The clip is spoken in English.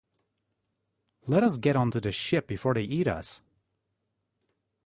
Let us get on to the ship before they eat us!